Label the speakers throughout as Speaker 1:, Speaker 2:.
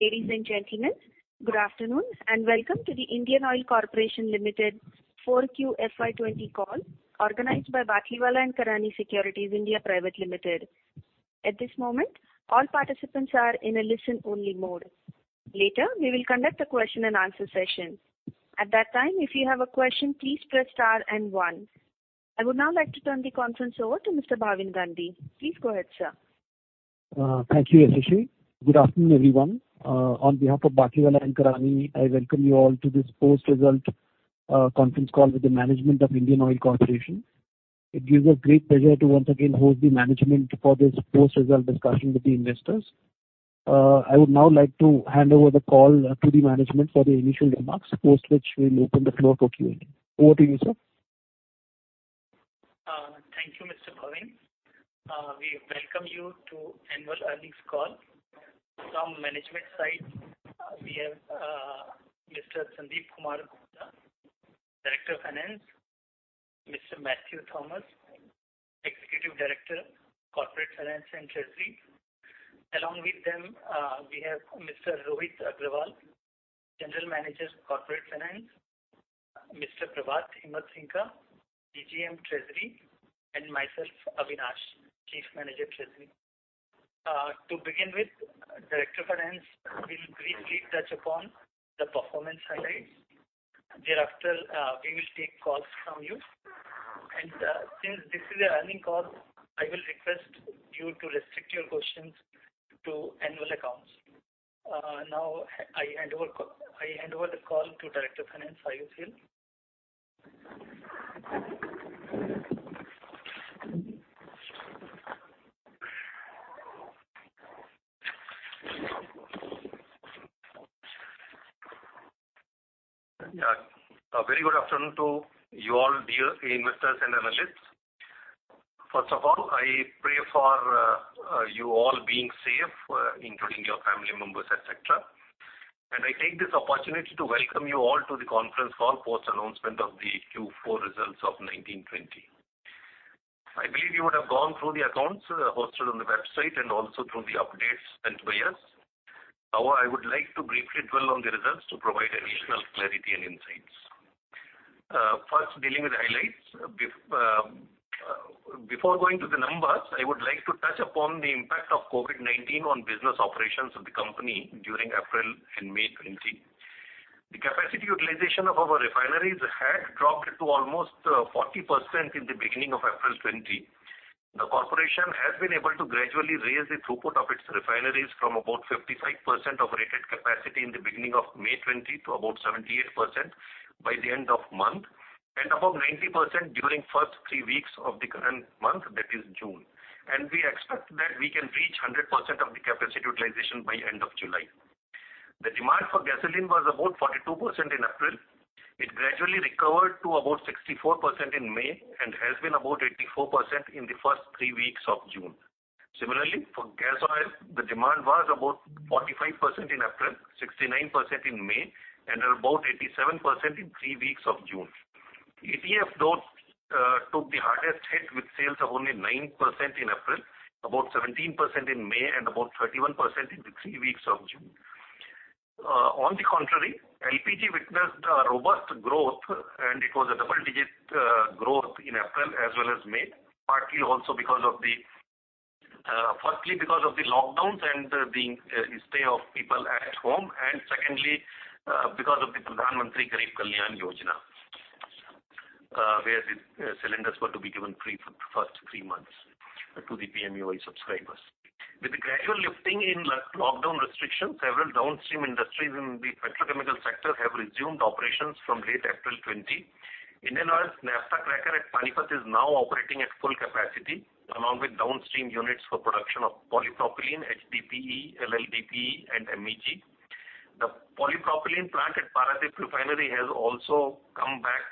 Speaker 1: Ladies and gentlemen, good afternoon, and welcome to the Indian Oil Corporation Limited 4Q FY 2020 call organized by Batlivala and Karani Securities India Private Limited. At this moment, all participants are in a listen-only mode. Later, we will conduct a question-and-answer session. At that time, if you have a question, please press star and one. I would now like to turn the conference over to Mr. Bhavin Gandhi. Please go ahead, sir.
Speaker 2: Thank you, Ashish. Good afternoon, everyone. On behalf of Batlivala and Karani, I welcome you all to this post result conference call with the management of Indian Oil Corporation. It gives us great pleasure to once again host the management for this post result discussion with the investors. I would now like to hand over the call to the management for the initial remarks, post which we'll open the floor for Q&A. Over to you, sir.
Speaker 3: Thank you, Mr. Bhavin. We welcome you to annual earnings call. From management side, we have Mr. Sandeep Kumar Gupta, Director of Finance, Mr. Matthew Thomas, Executive Director, Corporate Finance and Treasury. Along with them, we have Mr. Rohit Agrawal, General Manager of Corporate Finance, Mr. Prabhat Himatsingka, DGM Treasury, and myself, Avinash, Chief Manager, Treasury. To begin with, Director of Finance will briefly touch upon the performance highlights. Thereafter, we will take calls from you. Since this is an earnings call, I will request you to restrict your questions to annual accounts. Now, I hand over the call to Director of Finance. I yield.
Speaker 4: Yeah. A very good afternoon to you all, dear investors and analysts. First of all, I pray for you all being safe, including your family members, et cetera. I take this opportunity to welcome you all to the conference call post announcement of the Q4 results of 2019/2020. I believe you would have gone through the accounts hosted on the website and also through the updates sent by us. However, I would like to briefly dwell on the results to provide additional clarity and insights. First, dealing with the highlights. Before going to the numbers, I would like to touch upon the impact of COVID-19 on business operations of the company during April and May 2020. The capacity utilization of our refineries had dropped to almost 40% in the beginning of April 2020. The corporation has been able to gradually raise the throughput of its refineries from about 55% of rated capacity in the beginning of May 2020 to about 78% by the end of month, and above 90% during first three weeks of the current month, that is June. We expect that we can reach 100% of the capacity utilization by end of July. The demand for gasoline was about 42% in April. It gradually recovered to about 64% in May and has been about 84% in the first three weeks of June. Similarly, for gas oil, the demand was about 45% in April, 69% in May, and about 87% in three weeks of June. ATF loads took the hardest hit with sales of only 9% in April, about 17% in May, and about 31% in the three weeks of June. On the contrary, LPG witnessed a robust growth, and it was a double-digit growth in April as well as May, firstly because of the lockdowns and the stay of people at home, and secondly because of the Pradhan Mantri Garib Kalyan Yojana, where the cylinders were to be given free for first three months to the PMUY subscribers. With the gradual lifting in lockdown restrictions, several downstream industries in the petrochemical sector have resumed operations from late April 2020. Indian Oil's naphtha cracker at Panipat is now operating at full capacity, along with downstream units for production of polypropylene, HDPE, LLDPE, and MEG. The polypropylene plant at Paradip Refinery has also come back,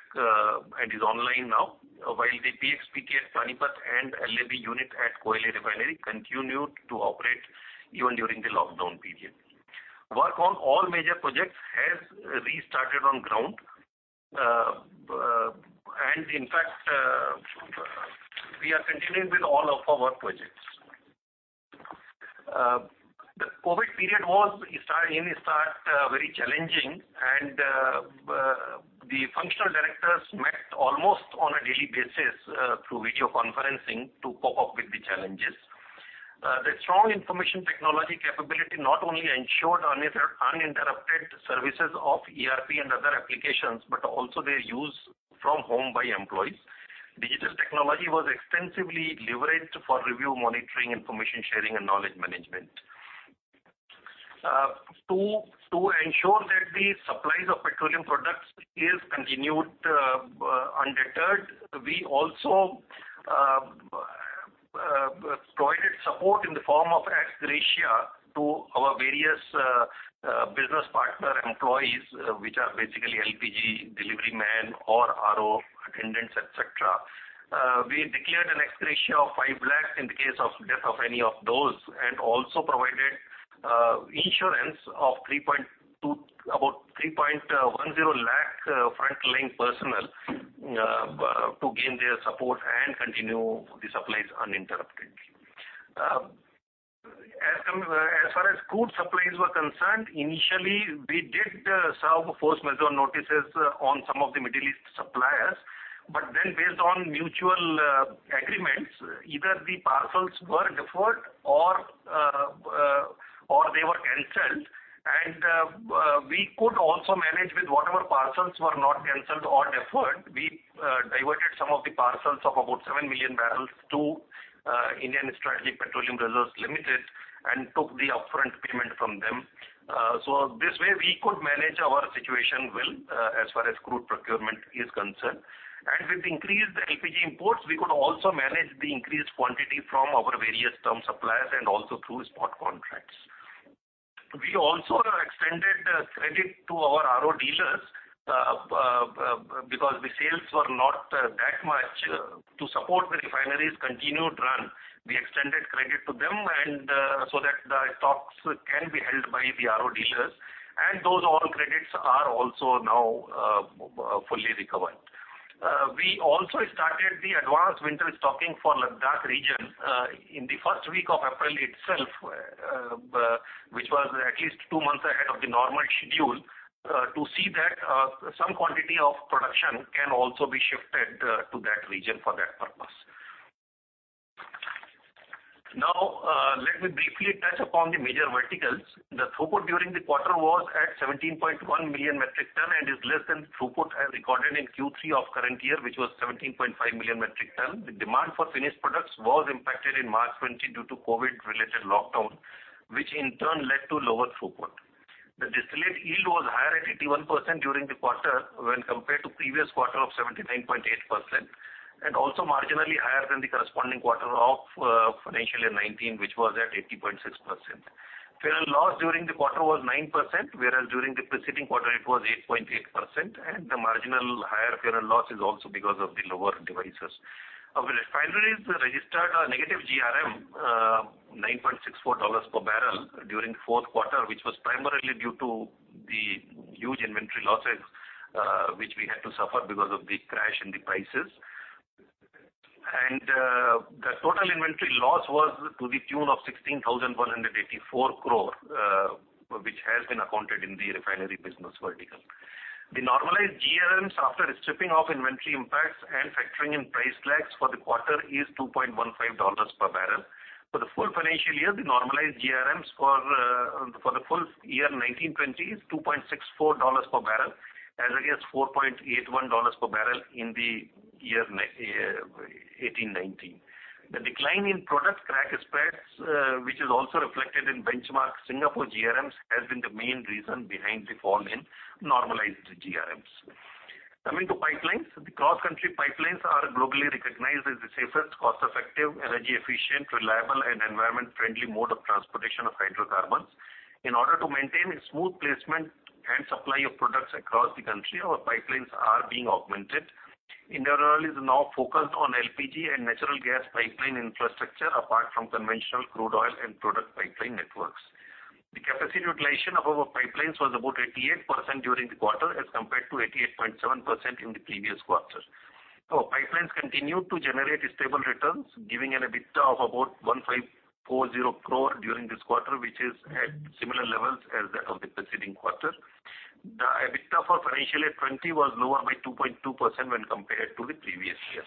Speaker 4: and is online now, while the PX/PTA at Panipat and LAB unit at Koyali Refinery continued to operate even during the lockdown period. Work on all major projects has restarted on ground. In fact, we are continuing with all of our projects. The COVID-19 period was in the start very challenging, and the functional directors met almost on a daily basis, through video conferencing, to cope up with the challenges. The strong information technology capability not only ensured uninterrupted services of ERP and other applications, but also their use from home by employees. Digital technology was extensively leveraged for review monitoring, information sharing, and knowledge management. To ensure that the supplies of petroleum products is continued undeterred, we also provided support in the form of ex-gratia to our various business partner employees, which are basically LPG delivery man or RO attendants, et cetera. We declared an ex-gratia of 5 lakh in the case of death of any of those, and also provided insurance of about 3.10 lakh frontline personnel, to gain their support and continue the supplies uninterrupted. As far as crude supplies were concerned, initially, we did serve force majeure notices on some of the Middle East suppliers. Based on mutual agreements, either the parcels were deferred or they were canceled. We could also manage with whatever parcels were not canceled or deferred. We diverted some of the parcels of about 7 million barrels to Indian Strategic Petroleum Reserves Limited and took the upfront payment from them. This way, we could manage our situation well, as far as crude procurement is concerned. With increased LPG imports, we could also manage the increased quantity from our various term suppliers and also through spot contracts. We also extended credit to our RO dealers, because the sales were not that much. To support the refineries' continued run, we extended credit to them, so that the stocks can be held by the RO dealers, and those all credits are also now fully recovered. We also started the advanced winter stocking for Ladakh region in the first week of April itself, which was at least two months ahead of the normal schedule, to see that some quantity of production can also be shifted to that region for that purpose. Now, let me briefly touch upon the major verticals. The throughput during the quarter was at 17.1 million metric ton and is less than throughput as recorded in Q3 of current year, which was 17.5 million metric ton. The demand for finished products was impacted in March 2020 due to COVID-19-related lockdown, which in turn led to lower throughput. The distillate yield was higher at 81% during the quarter when compared to previous quarter of 79.8%, and also marginally higher than the corresponding quarter of financial year 2019, which was at 80.6%. Fuel loss during the quarter was 9%, whereas during the preceding quarter it was 8.8%. The marginal higher fuel loss is also because of the lower divisor. Our refineries registered a negative GRM, $9.64 per barrel during fourth quarter, which was primarily due to the huge inventory losses which we had to suffer because of the crash in the prices. The total inventory loss was to the tune of 16,184 crore, which has been accounted in the refinery business vertical. The normalized GRMs after stripping off inventory impacts and factoring in price lags for the quarter is $2.15 per barrel. For the full financial year, the normalized GRMs for the full year 2019/2020 is $2.64 per barrel as against $4.81 per barrel in the year 2018/2019. The decline in product crack spreads, which is also reflected in benchmark Singapore GRMs, has been the main reason behind the fall in normalized GRMs. Coming to pipelines. The cross-country pipelines are globally recognized as the safest, cost-effective, energy-efficient, reliable, and environment-friendly mode of transportation of hydrocarbons. In order to maintain a smooth placement and supply of products across the country, our pipelines are being augmented. Indian Oil is now focused on LPG and natural gas pipeline infrastructure, apart from conventional crude oil and product pipeline networks. The capacity utilization of our pipelines was about 88% during the quarter as compared to 88.7% in the previous quarter. Pipelines continued to generate stable returns, giving an EBITDA of about 1,540 crore during this quarter, which is at similar levels as that of the preceding quarter. The EBITDA for financial year 20 was lower by 2.2% when compared to the previous year.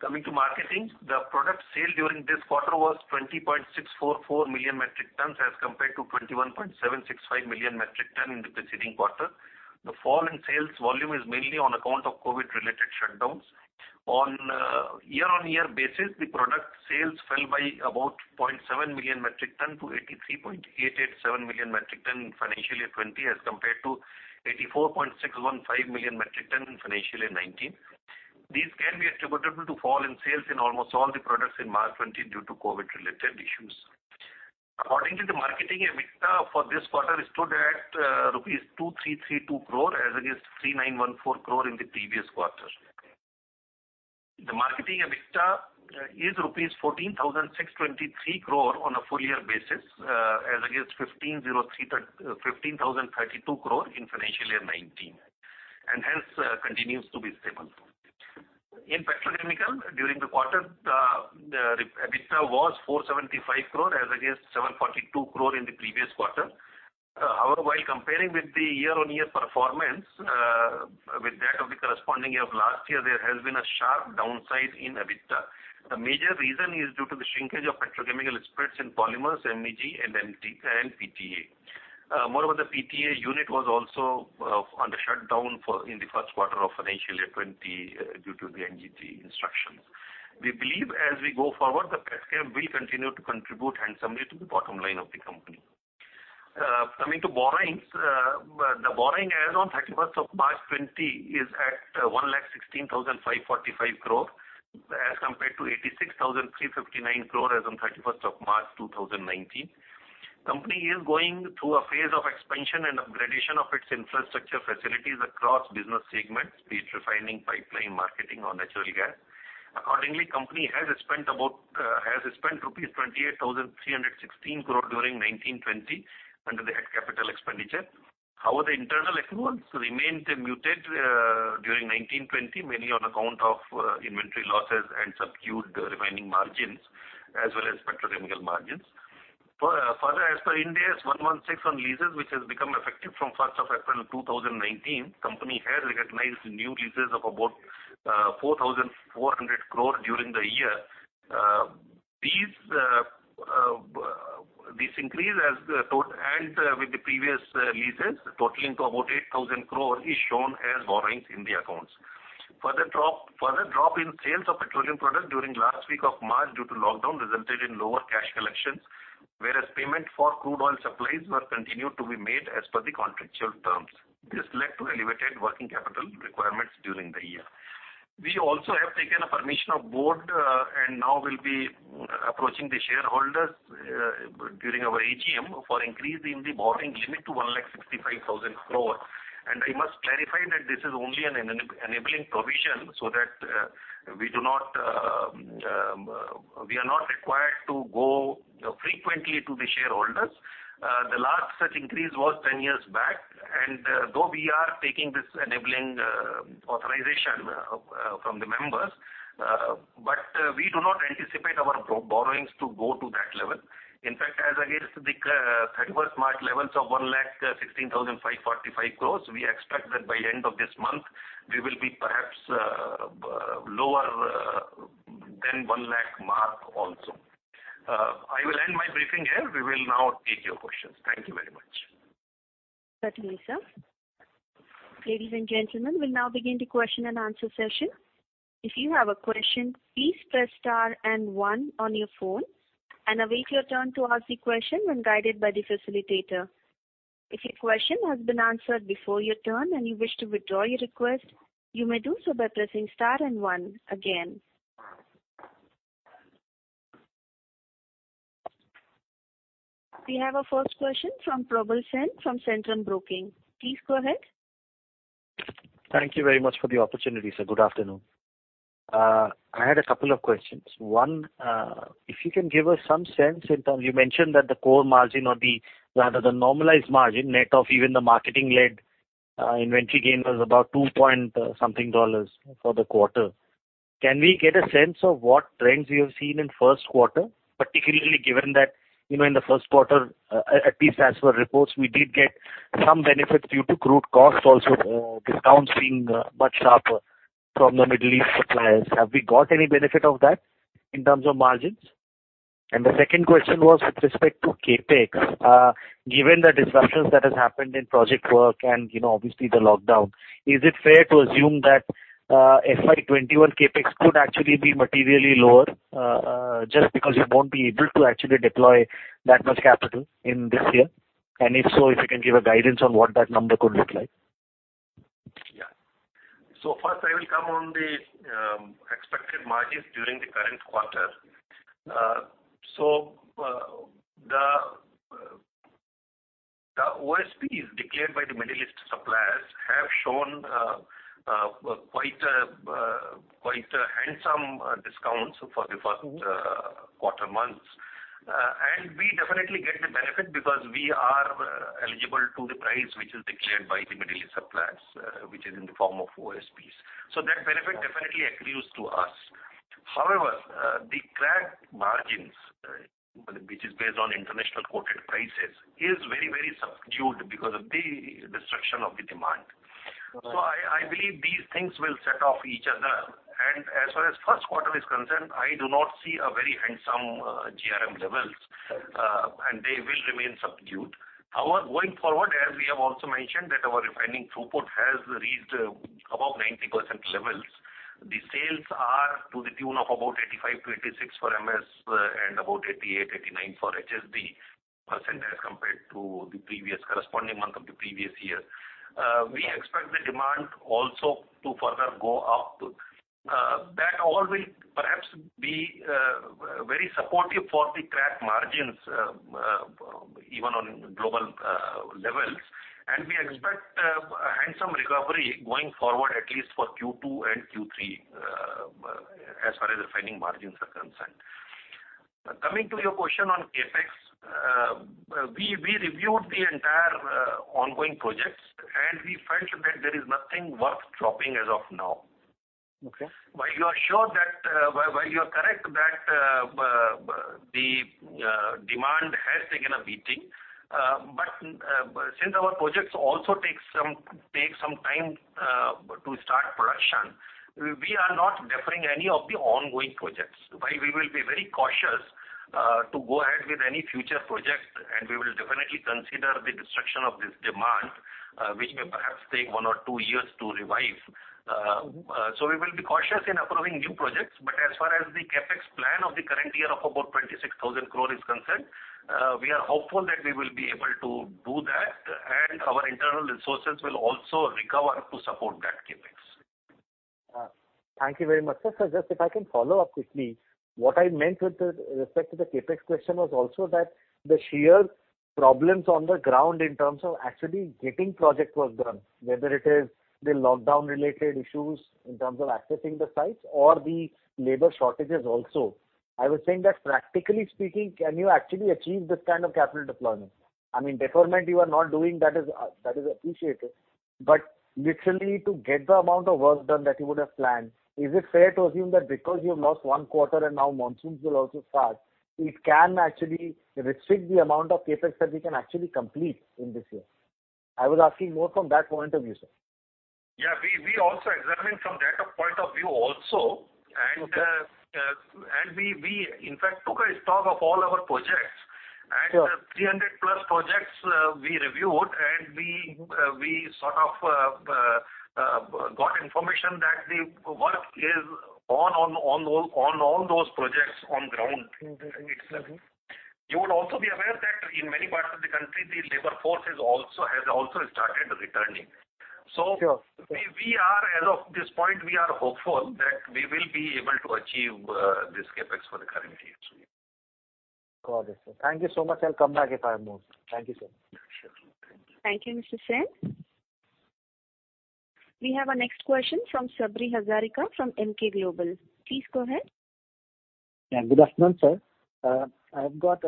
Speaker 4: Coming to marketing, the product sale during this quarter was 20.644 million metric tons as compared to 21.765 million metric ton in the preceding quarter. The fall in sales volume is mainly on account of COVID-19-related shutdowns. On year-on-year basis, the product sales fell by about 0.7 million metric ton to 83.887 million metric ton in financial year 2020 as compared to 84.615 million metric ton in financial year 2019. These can be attributable to fall in sales in almost all the products in March 2020 due to COVID-19-related issues. According to the marketing, EBITDA for this quarter stood at rupees 2,332 crore as against 3,914 crore in the previous quarter. The marketing EBITDA is rupees 14,623 crore on a full year basis, as against 15,032 crore in financial year 2019, hence continues to be stable. In petrochemical, during the quarter, the EBITDA was 475 crore as against 742 crore in the previous quarter. However, while comparing with the year-on-year performance, with that of the corresponding year of last year, there has been a sharp downside in EBITDA. The major reason is due to the shrinkage of petrochemical spreads in polymers, MEG and PTA. Moreover, the PTA unit was also under shutdown in the first quarter of financial year 2020 due to the NGT instructions. We believe as we go forward, the petchem will continue to contribute handsomely to the bottom line of the company. Coming to borrowings. The borrowing as on 31st of March 2020 is at 116,545 crore as compared to 86,359 crore as on 31st of March 2019. Company is going through a phase of expansion and upgradation of its infrastructure facilities across business segments, be it refining, pipeline, marketing, or natural gas. Accordingly, company has spent rupees 28,316 crore during 2019/2020 under the head capital expenditure. However, the internal accruals remained muted during 2019/2020, mainly on account of inventory losses and subdued refining margins, as well as petrochemical margins. Further, as per Ind AS 116 on leases, which has become effective from 1st of April 2019, company has recognized new leases of about 4,400 crore during the year. This increase, and with the previous leases totaling to about 8,000 crore, is shown as borrowings in the accounts. Further drop in sales of petroleum products during last week of March due to lockdown resulted in lower cash collections, whereas payment for crude oil supplies were continued to be made as per the contractual terms. This led to elevated working capital requirements during the year. We also have taken a permission of Board. Now we'll be approaching the shareholders during our AGM for increase in the borrowing limit to 165,000 crore. I must clarify that this is only an enabling provision, so that we are not required to go frequently to the shareholders. The last such increase was 10 years back. Though we are taking this enabling authorization from the members, we do not anticipate our borrowings to go to that level. In fact, as against the 31st March levels of 116,545 crores, we expect that by end of this month, we will be perhaps lower than 1 lakh mark also. I will end my briefing here. We will now take your questions. Thank you very much.
Speaker 1: Certainly, sir. Ladies and gentlemen, we will now begin the question-and-answer session. If you have a question, please press star and one on your phone and await your turn to ask the question when guided by the facilitator. If your question has been answered before your turn and you wish to withdraw your request, you may do so by pressing star and one again. We have our first question from Probal Sen from Centrum Broking. Please go ahead.
Speaker 5: Thank you very much for the opportunity, sir. Good afternoon. I had a couple of questions. One, if you can give us some sense. You mentioned that the core margin or the, rather the normalized margin net of even the marketing-led inventory gain was about two-point-something dollars for the quarter. Can we get a sense of what trends you have seen in first quarter, particularly given that in the first quarter, at least as per reports, we did get some benefits due to crude costs also, discounts being much sharper from the Middle East suppliers. Have we got any benefit of that in terms of margins? The second question was with respect to CapEx. Given the disruptions that has happened in project work and obviously the lockdown, is it fair to assume that FY 2021 CapEx could actually be materially lower, just because you won't be able to actually deploy that much capital in this year? If so, if you can give a guidance on what that number could look like.
Speaker 4: First I will come on the expected margins during the current quarter. The OSPs declared by the Middle East suppliers have shown quite handsome discounts for the first quarter months. We definitely get the benefit because we are eligible to the price which is declared by the Middle East suppliers, which is in the form of OSPs. That benefit definitely accrues to us. However, the crack margins, which is based on international quoted prices, is very subdued because of the destruction of the demand. I believe these things will set off each other. As far as first quarter is concerned, I do not see a very handsome GRM levels, and they will remain subdued. However, going forward, as we have also mentioned that our refining throughput has reached above 90% levels. The sales are to the tune of about 85%-86% for MS and about 88%-89% for HSD compared to the previous corresponding month of the previous year. We expect the demand also to further go up. That all will perhaps be very supportive for the crack margins, even on global levels. We expect a handsome recovery going forward, at least for Q2 and Q3, as far as refining margins are concerned. Coming to your question on CapEx. We reviewed the entire ongoing projects, and we felt that there is nothing worth dropping as of now.
Speaker 5: Okay.
Speaker 4: You are correct that the demand has taken a beating. Since our projects also take some time to start production, we are not deferring any of the ongoing projects, while we will be very cautious to go ahead with any future projects. We will definitely consider the destruction of this demand, which may perhaps take one or two years to revive. We will be cautious in approving new projects. As far as the CapEx plan of the current year of about 26,000 crore is concerned, we are hopeful that we will be able to do that and our internal resources will also recover to support that CapEx.
Speaker 5: Thank you very much. Sir, just if I can follow up quickly. What I meant with respect to the CapEx question was also that the sheer problems on the ground in terms of actually getting project work done, whether it is the lockdown-related issues in terms of accessing the sites or the labor shortages also. I was saying that practically speaking, can you actually achieve this kind of capital deployment? Deferment, you are not doing, that is appreciated. Literally to get the amount of work done that you would have planned, is it fair to assume that because you have lost one quarter and now monsoons will also start, it can actually restrict the amount of CapEx that we can actually complete in this year. I was asking more from that point of view, sir.
Speaker 4: We also examine from that point of view also. We, in fact, took a stock of all our projects. 300+ projects we reviewed, and we sort of got information that the work is on all those projects on ground. You would also be aware that in many parts of the country, the labor force has also started returning. As of this point, we are hopeful that we will be able to achieve this CapEx for the current year.
Speaker 5: Got it, sir. Thank you so much. I'll come back if I have more. Thank you, sir.
Speaker 4: Sure.
Speaker 1: Thank you, Mr. Sen. We have our next question from Sabri Hazarika from Emkay Global. Please go ahead.
Speaker 6: Yeah. Good afternoon, sir. I've got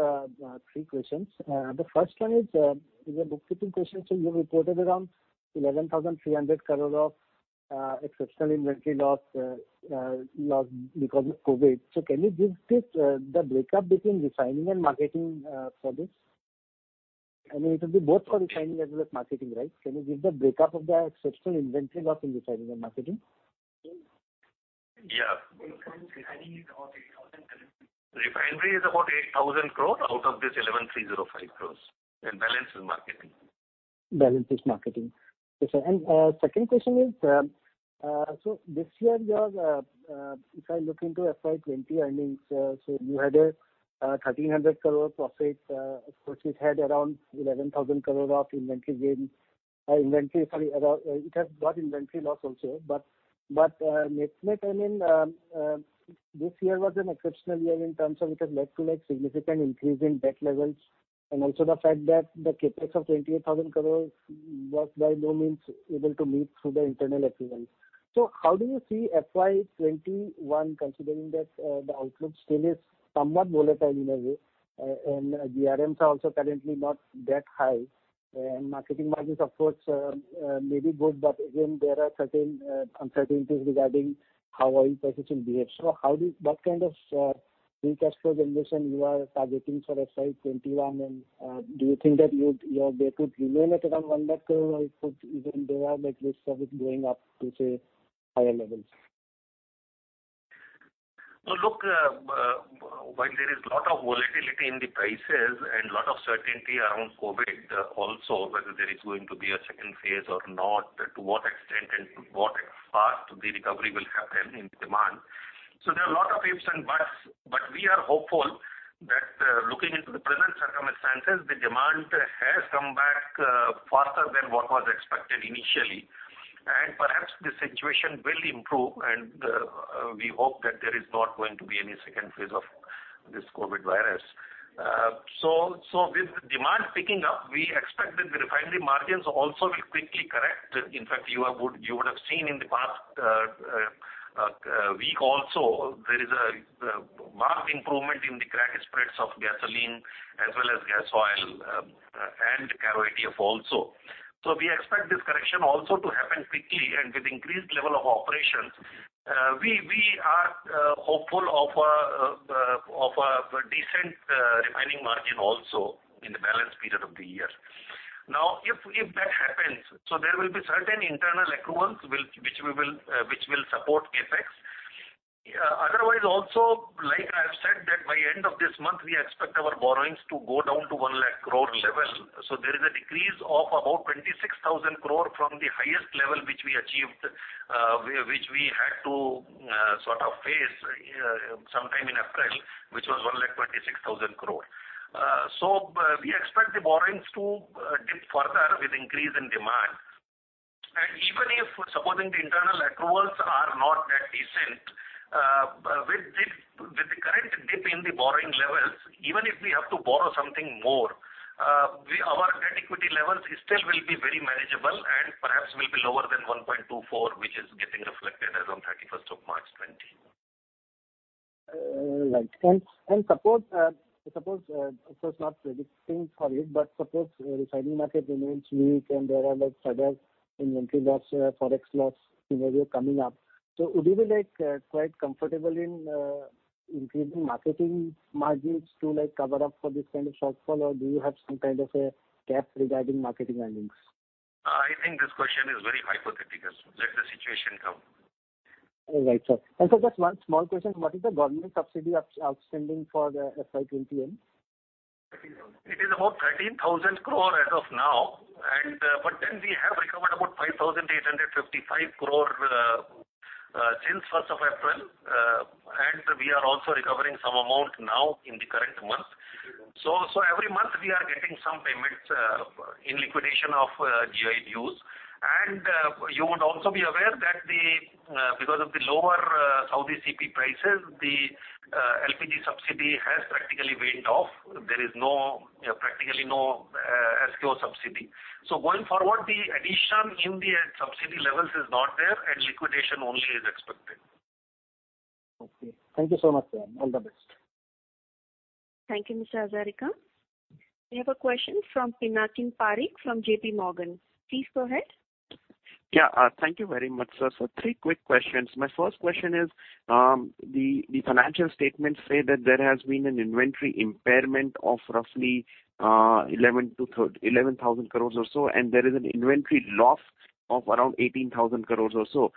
Speaker 6: three questions. The first one is a bookkeeping question, sir. You reported around 11,300 crore of exceptional inventory loss because of COVID-19. Can you give the breakup between refining and marketing for this? It will be both for refining as well as marketing, right? Can you give the breakup of the exceptional inventory loss in refining and marketing?
Speaker 4: Yeah. Refinery is about 8,000 crore out of this 11,305 crore, and balance is marketing.
Speaker 6: Balance is marketing. Okay, sir. Second question is, this year, if I look into FY 2020 earnings, you had a 1,300 crore profit. Of course, it had around 11,000 crore of inventory gain. Sorry, it has got inventory loss also. Net-net, this year was an exceptional year in terms of it has led to significant increase in debt levels, and also the fact that the CapEx of 28,000 crore was by no means able to meet through the internal accruals. How do you see FY 2021 considering that the outlook still is somewhat volatile in a way, and GRMs are also currently not that high, and marketing margins, of course, may be good, but again, there are certain uncertainties regarding how oil prices will behave. What kind of free cash flow generation you are targeting for FY 2021, and do you think that they could remain at around 1 lakh crore or it could even go up, like risk of it going up to, say, higher levels?
Speaker 4: Look, while there is a lot of volatility in the prices and a lot of uncertainty around COVID-19 also, whether there is going to be a second phase or not, to what extent and to what part the recovery will happen in demand. There are a lot of ifs and buts, but we are hopeful that looking into the present circumstances, the demand has come back faster than what was expected initially. Perhaps the situation will improve, and we hope that there is not going to be any second phase of this COVID-19 virus. With demand picking up, we expect that the refinery margins also will quickly correct. In fact, you would have seen in the past week also, there is a marked improvement in the crack spreads of gasoline as well as gas oil and kerosene also. We expect this correction also to happen quickly, and with increased level of operations, we are hopeful of a decent refining margin also in the balance period of the year. If that happens, there will be certain internal accruals which will support CapEx. Otherwise, also, like I've said that by end of this month, we expect our borrowings to go down to 100,000 crore level. There is a decrease of about 26,000 crore from the highest level which we had to face sometime in April, which was 126,000 crore. We expect the borrowings to dip further with increase in demand. Even if supposing the internal accruals are not that decent, with the current dip in the borrowing levels, even if we have to borrow something more, our net equity levels still will be very manageable and perhaps will be lower than 1.24, which is getting reflected as on 31st of March 2020.
Speaker 6: Right. Of course, not predicting for it, but suppose refining market remains weak and there are further inventory loss, Forex loss scenario coming up. Would you be quite comfortable in increasing marketing margins to cover up for this kind of shortfall, or do you have some kind of a cap regarding marketing earnings?
Speaker 4: I think this question is very hypothetical, sir. Let the situation come.
Speaker 6: All right, sir. Sir, just one small question. What is the government subsidy outstanding for the FY 2020 end?
Speaker 4: It is about 13,000 crore as of now. We have recovered about 5,855 crore since 1st of April, and we are also recovering some amount now in the current month. Every month, we are getting some payments in liquidation of GoI dues. You would also be aware that because of the lower Saudi CP prices, the LPG subsidy has practically waived off. There is practically no SKO subsidy. Going forward, the addition in the subsidy levels is not there, and liquidation only is expected.
Speaker 6: Okay. Thank you so much, sir. All the best.
Speaker 1: Thank you, Mr. Hazarika. We have a question from Pinakin Parekh from JPMorgan. Please go ahead.
Speaker 7: Yeah. Thank you very much, sir. Three quick questions. My first question is, the financial statements say that there has been an inventory impairment of roughly 11,000 crores or so, and there is an inventory loss of around 18,000 crores or so.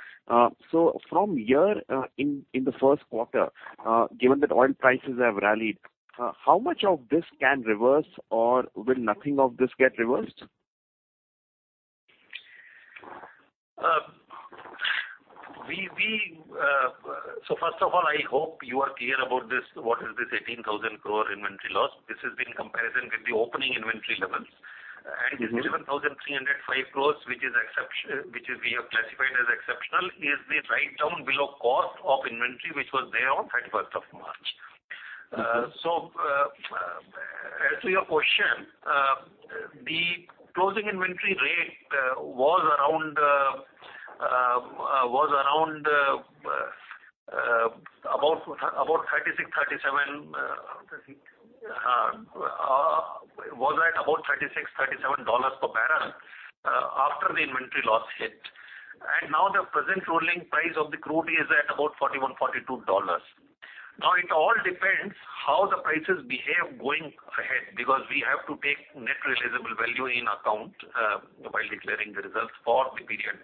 Speaker 7: From here, in the first quarter, given that oil prices have rallied, how much of this can reverse, or will nothing of this get reversed?
Speaker 4: First of all, I hope you are clear about what is this 18,000 crore inventory loss. This is in comparison with the opening inventory levels. This 11,305 crore, which we have classified as exceptional, is the write-down below cost of inventory, which was there on 31st of March. As to your question, the closing inventory rate was at about $36, $37 per barrel after the inventory loss hit. Now the present rolling price of the crude is at about $41, $42. It all depends how the prices behave going ahead, because we have to take net realizable value in account, while declaring the results for the period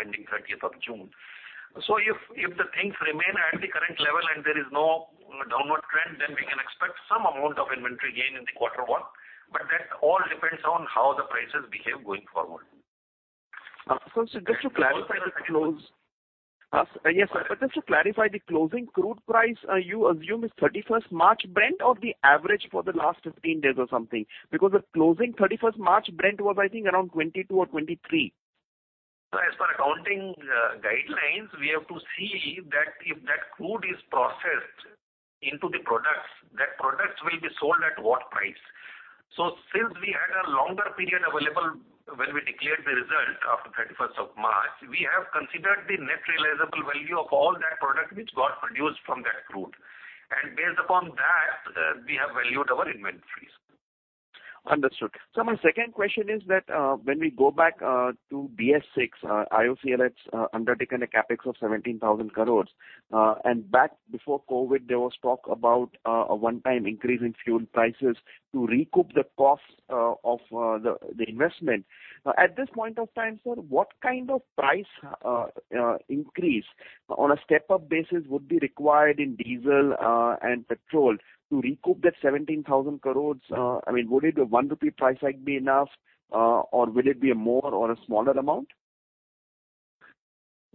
Speaker 4: ending 30th of June. If the things remain at the current level and there is no downward trend, then we can expect some amount of inventory gain in the quarter one. That all depends on how the prices behave going forward.
Speaker 7: Sir, just to clarify the close. Yes, just to clarify the closing crude price you assume is 31st March Brent or the average for the last 15 days or something? The closing 31st March Brent was, I think, around 22 or 23.
Speaker 4: As for accounting guidelines, we have to see that if that crude is processed into the products, that products will be sold at what price. Since we had a longer period available when we declared the result after 31st of March, we have considered the net realizable value of all that product which got produced from that crude. Based upon that, we have valued our inventories.
Speaker 7: Understood. My second question is that, when we go back to BS VI, IOCL has undertaken a CapEx of 17,000 crores. Back before COVID, there was talk about a one-time increase in fuel prices to recoup the cost of the investment. At this point of time, sir, what kind of price increase on a step-up basis would be required in diesel and petrol to recoup that 17,000 crores? Would a 1 rupee price hike be enough, or will it be a more or a smaller amount?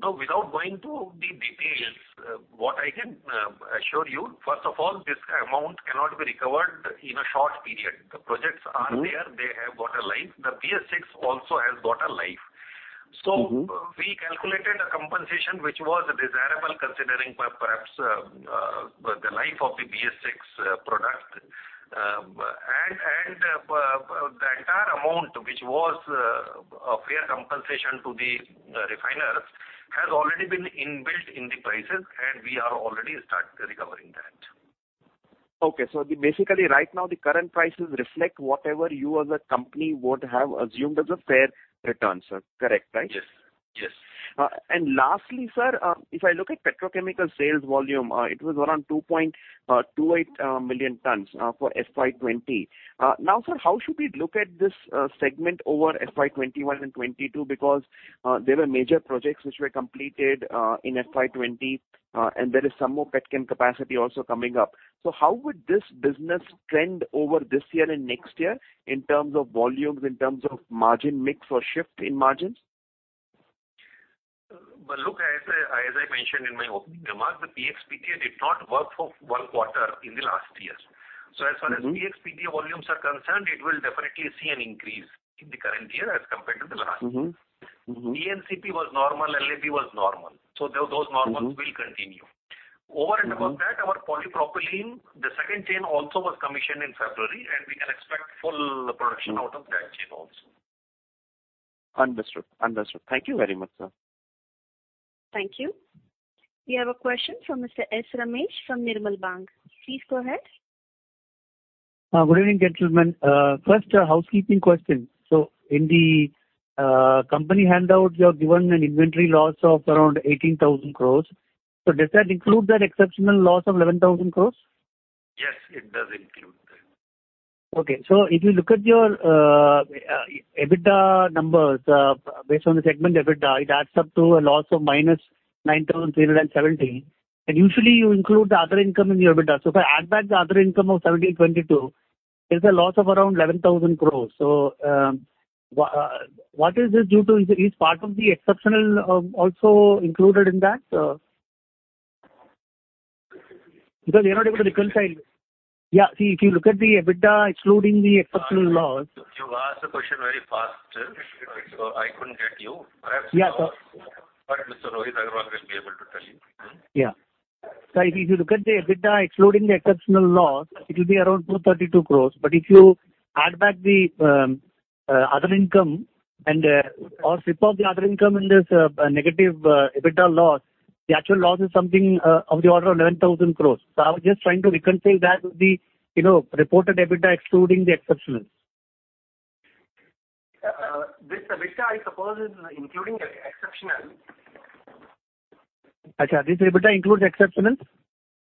Speaker 4: Without going to the details, what I can assure you, first of all, this amount cannot be recovered in a short period. The projects are there, they have got a life. The BS VI also has got a life. We calculated a compensation which was desirable considering perhaps the life of the BS VI product. The entire amount, which was a fair compensation to the refiners, has already been inbuilt in the prices and we are already start recovering that.
Speaker 7: Okay. Basically right now the current prices reflect whatever you as a company would have assumed as a fair return, sir. Correct, right?
Speaker 4: Yes.
Speaker 7: Lastly, sir, if I look at petrochemical sales volume, it was around 2.28 million tons for FY 2020. Sir, how should we look at this segment over FY 2021 and 2022? There were major projects which were completed in FY 2020, and there is some more petchem capacity also coming up. How would this business trend over this year and next year in terms of volumes, in terms of margin mix or shift in margins?
Speaker 4: Look, as I mentioned in my opening remarks, the PX/PTA did not work for one quarter in the last year. As far as PX/PTA volumes are concerned, it will definitely see an increase in the current year as compared to the last year. PNCP was normal, LAB was normal. Those normals will continue. Over and above that, our polypropylene, the second chain also was commissioned in February, and we can expect full production out of that chain also.
Speaker 7: Understood. Thank you very much, sir.
Speaker 1: Thank you. We have a question from Mr. S Ramesh from Nirmal Bang. Please go ahead.
Speaker 8: Good evening, gentlemen. First, a housekeeping question. In the company handouts, you have given an inventory loss of around 18,000 crores. Does that include that exceptional loss of 11,000 crores?
Speaker 4: Yes, it does include that.
Speaker 8: Okay. If you look at your EBITDA numbers, based on the segment EBITDA, it adds up to a loss of -9,370. Usually you include the other income in your EBITDA. If I add back the other income of 1,722, there's a loss of around 11,000 crore. What is this due to? Is part of the exceptional also included in that? Because we are not able to reconcile. Yeah, see, if you look at the EBITDA excluding the exceptional loss.
Speaker 4: You asked the question very fast, so I couldn't get you. Mr. Rohit Agrawal will be able to tell you.
Speaker 9: Yeah. If you look at the EBITDA excluding the exceptional loss, it will be around 232 crores. If you add back the other income and off the other income in this negative EBITDA loss, the actual loss is something of the order of 11,000 crores. I was just trying to reconcile that with the reported EBITDA excluding the exceptionals.
Speaker 8: This EBITDA, I suppose, is including exceptional.
Speaker 9: This EBITDA includes exceptionals?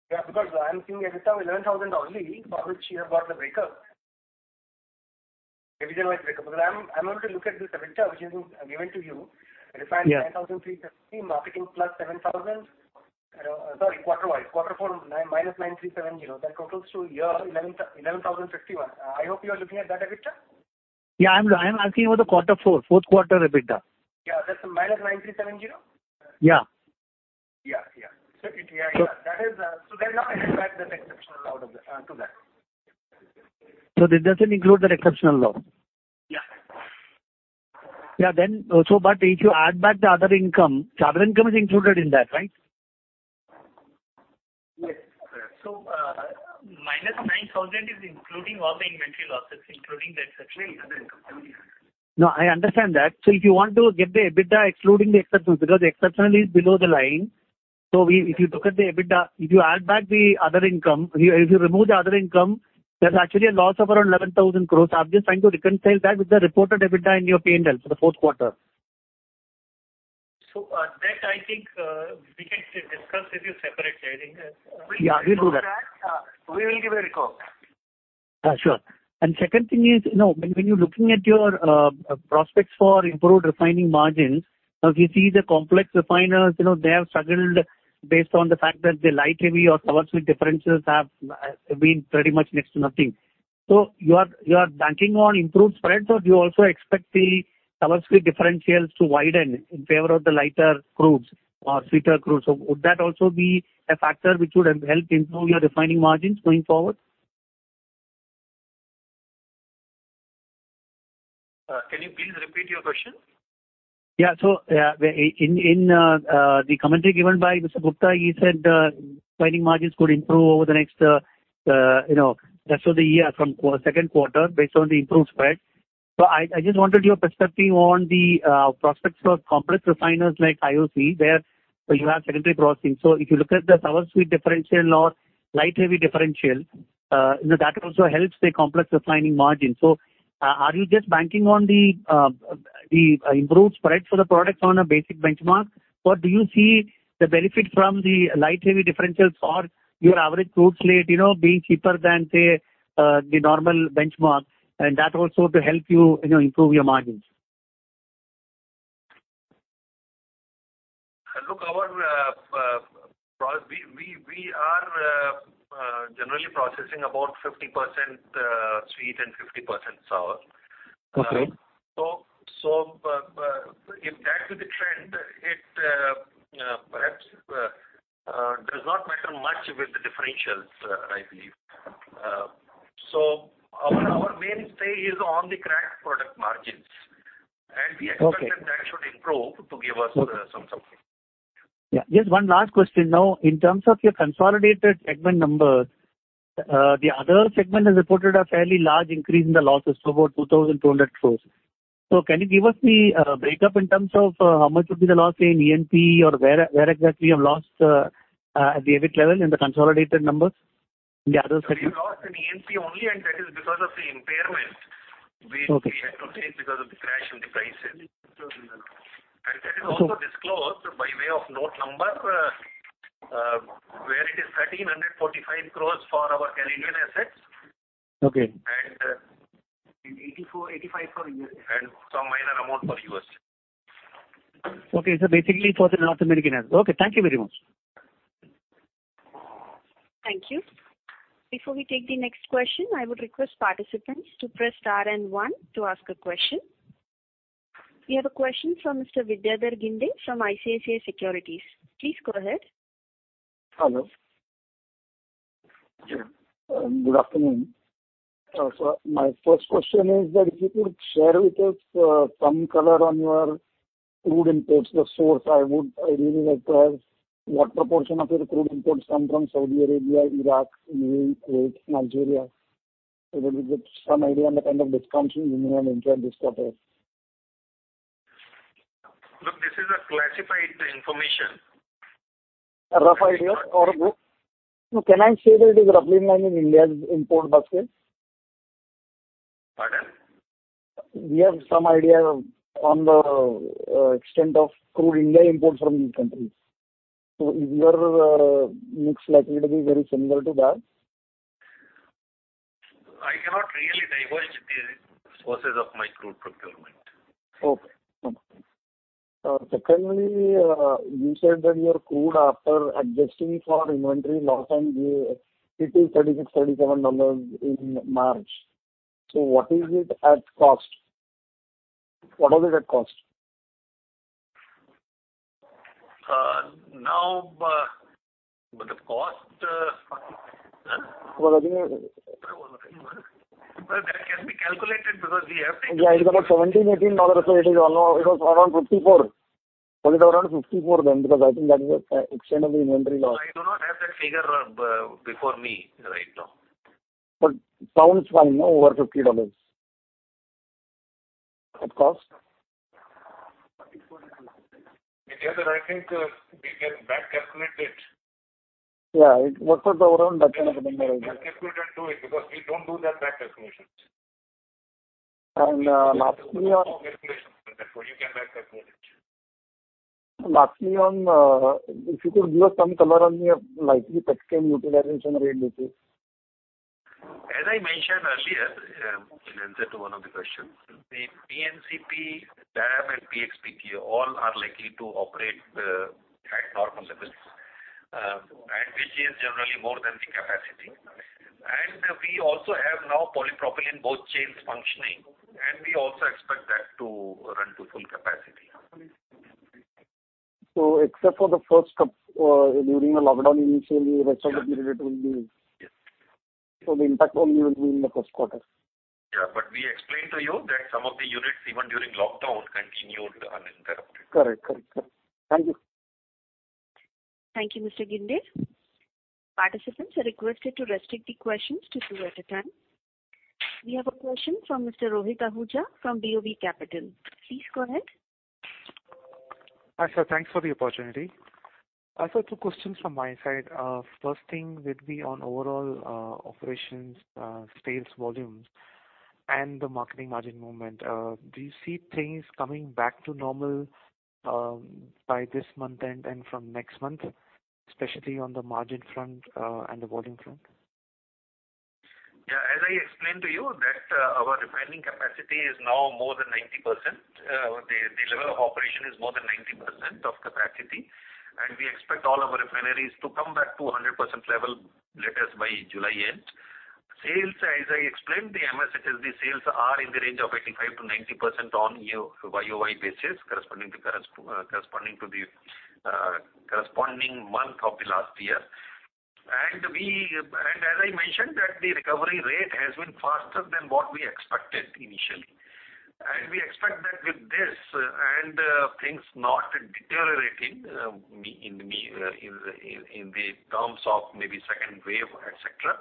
Speaker 8: Yeah, because I am seeing EBITDA 11,000 only, for which you have got the breakup. Division-wise breakup. Because I'm able to look at this EBITDA which has been given to you.
Speaker 9: Yeah.
Speaker 8: Refined 9,370, marketing plus 7,000. Sorry, quarter-wise. Quarter four, -9,370. That totals to year 11,061. I hope you are looking at that EBITDA.
Speaker 9: Yeah, I'm asking about the quarter four, fourth quarter EBITDA.
Speaker 8: Yeah, that's the -9,370?
Speaker 4: Yeah. Yeah. They have not added back that exceptional to that.
Speaker 8: This doesn't include that exceptional loss.
Speaker 4: Yeah.
Speaker 8: Yeah. If you add back the other income, so other income is included in that, right?
Speaker 4: Yes. -9,000 is including all the inventory losses, including the exceptional.
Speaker 8: No, I understand that. If you want to get the EBITDA excluding the exceptional, because the exceptional is below the line. If you look at the EBITDA, if you add back the other income, if you remove the other income, there's actually a loss of around 11,000 crores. I'm just trying to reconcile that with the reported EBITDA in your P&L for the fourth quarter.
Speaker 4: That I think we can discuss with you separately, I think.
Speaker 8: Yeah, we'll do that.
Speaker 4: We will give a recall.
Speaker 8: Sure. Second thing is, when you're looking at your prospects for improved refining margins, if you see the complex refiners, they have struggled based on the fact that the light heavy or sour sweet differences have been pretty much next to nothing. You are banking on improved spreads, or do you also expect the sour sweet differentials to widen in favor of the lighter crudes or sweeter crudes? Would that also be a factor which would help improve your refining margins going forward?
Speaker 4: Can you please repeat your question?
Speaker 8: Yeah. In the commentary given by Mr. Gupta, he said refining margins could improve over the rest of the year from second quarter based on the improved spread. I just wanted your perspective on the prospects for complex refiners like IOC, where you have secondary processing. If you look at the sour sweet differential or light heavy differential, that also helps the complex refining margin. Are you just banking on the improved spread for the products on a basic benchmark, or do you see the benefit from the light heavy differentials for your average crude slate being cheaper than, say, the normal benchmark and that also to help you improve your margins?
Speaker 4: We are generally processing about 50% sweet and 50% sour.
Speaker 8: Okay.
Speaker 4: If that is the trend, it perhaps does not matter much with the differentials, I believe. Our main stay is on the crack product margins.
Speaker 8: Okay.
Speaker 4: We expect that should improve to give us some support.
Speaker 8: Yeah. Just one last question now. In terms of your consolidated segment numbers, the other segment has reported a fairly large increase in the losses to about 2,200 crores. Can you give us the breakup in terms of how much would be the loss in E&P or where exactly you have lost at the EBIT level in the consolidated numbers? The other segment.
Speaker 4: We lost in E&P only, that is because of the impairment which we had to take because of the crash in the prices. That is also disclosed by way of note number, where it is 1,345 crores for our Caribbean assets.
Speaker 8: Okay.
Speaker 4: And some minor amount for U.S.
Speaker 8: Okay. Basically for the North American asset. Okay. Thank you very much.
Speaker 1: Thank you. Before we take the next question, I would request participants to press star and one to ask a question. We have a question from Mr. Vidyadhar Ginde from ICICI Securities. Please go ahead.
Speaker 10: Hello. Good afternoon. My first question is that if you could share with us some color on your crude imports, the source, I really like to have what proportion of your crude imports come from Saudi Arabia, Iraq, UAE, Kuwait, Nigeria. That we get some idea on the kind of discounts you may have enjoyed this quarter.
Speaker 4: Look, this is a classified information.
Speaker 10: A rough idea or can I say that it is roughly in line with India's import basket?
Speaker 4: Pardon?
Speaker 10: Do you have some idea on the extent of crude India imports from these countries? Is your mix likely to be very similar to that?
Speaker 4: I cannot really divulge the sources of my crude procurement.
Speaker 10: Okay. Secondly, you said that your crude after adjusting for inventory loss and it is $36, $37 in March. What is it at cost? What was it at cost?
Speaker 4: Now, the cost.
Speaker 10: What do you mean?
Speaker 4: Well, that can be calculated because we have.
Speaker 10: It's about $17, $18. Will it around $54 then? I think that is the extent of the inventory loss.
Speaker 4: I do not have that figure before me right now.
Speaker 10: Sounds fine, over INR 50 at cost.
Speaker 4: Together, I think we can back calculate it.
Speaker 10: Yeah. It works out to around that kind of a number.
Speaker 4: We can calculate and do it, because we don't do that back calculations. No calculation on that one. You can back calculate.
Speaker 10: Lastly, if you could give us some color on your likely petchem utilization rates?
Speaker 4: As I mentioned earlier, in answer to one of the questions, the PNCP, LAB and PX/PTA all are likely to operate at normal levels, which is generally more than the capacity. We also have now polypropylene both chains functioning, and we also expect that to run to full capacity.
Speaker 10: Except for during the lockdown initially, rest of the unit will be the impact only will be in the first quarter.
Speaker 4: Yeah. We explained to you that some of the units, even during lockdown, continued uninterrupted.
Speaker 10: Correct. Thank you.
Speaker 1: Thank you, Mr. Ginde. Participants are requested to restrict the questions to two at a time. We have a question from Mr. Rohit Ahuja from BOB Capital. Please go ahead.
Speaker 11: Hi, sir. Thanks for the opportunity. Sir, two questions from my side. First thing will be on overall operations, sales volumes and the marketing margin movement. Do you see things coming back to normal by this month end and from next month, especially on the margin front and the volume front?
Speaker 4: Yeah, as I explained to you that our refining capacity is now more than 90%. The level of operation is more than 90% of capacity, and we expect all our refineries to come back to 100% level latest by July end. Sales, as I explained the MS, it is the sales are in the range of 85%-90% on YOY basis, corresponding to the corresponding month of the last year. As I mentioned, that the recovery rate has been faster than what we expected initially. We expect that with this and things not deteriorating in the terms of maybe second wave, et cetera,